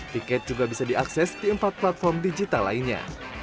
tiket juga bisa diakses di empat platform digital lainnya